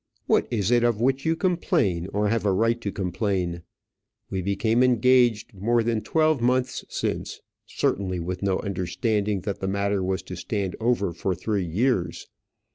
What is it of which you complain, or have a right to complain? We became engaged more than twelve months since, certainly with no understanding that the matter was to stand over for three years.